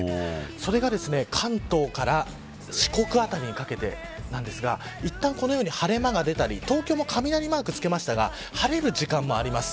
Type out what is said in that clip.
それが、関東から四国辺りにかけてなんですがいったん、このように晴れ間が出たり、東京も雷マークをつけましたが晴れる時間もあります。